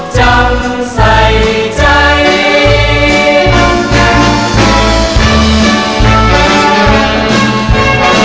จากเกิดเป็นไทยแล้ว